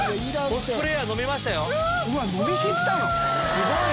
コスプレーヤー飲みましたよ。